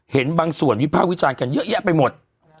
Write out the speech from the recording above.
เห็นบางส่วนวิภาควิจารณ์กันเยอะแยะไปหมด